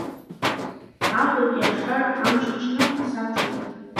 Афбатәи ашара амш аҽны, асабшаз.